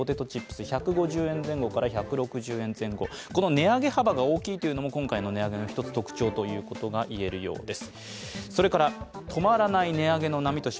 値上げ幅が大きいというのも今回の値上げの特徴といえるようです。